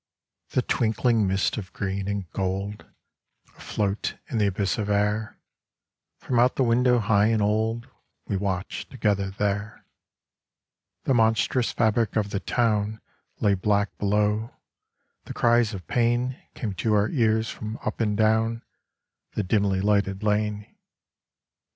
18 THE twinkling mists of green and gold Afloat in the abyss of air, From out the window high and old We watched together there. The monstrous fabric of the town Lay black below ; the cries of pain Came to our ears from up and down The dimly lighted lane.